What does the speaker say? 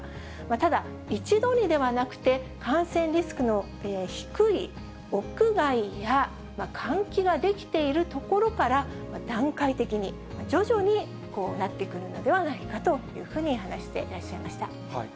ただ、一度にではなくて、感染リスクの低い屋外や、換気ができている所から、段階的に、徐々になってくるのではないかというふうに話してらっしゃいまし